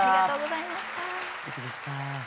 すてきでした。